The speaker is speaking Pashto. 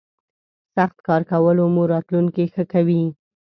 سخت کار کولو مو راتلوونکی ښه کوي.